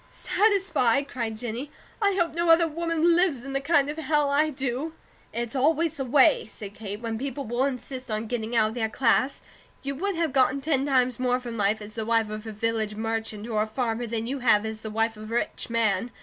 "Satisfy?" cried Jennie. "I hope no other woman lives in the kind of Hell I do." "It's always the way," said Kate, "when people will insist on getting out of their class. You would have gotten ten times more from life as the wife of a village merchant, or a farmer, than you have as the wife of a rich man.